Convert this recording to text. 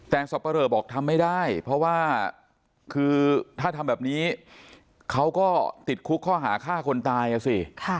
แต่สับปะเรอบอกทำไม่ได้เพราะว่าคือถ้าทำแบบนี้เขาก็ติดคุกข้อหาฆ่าคนตายอ่ะสิ